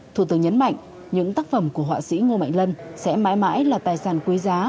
thủ tướng nhấn mạnh những tác phẩm của họa sĩ ngô mạnh lân sẽ mãi mãi là tài sản quý giá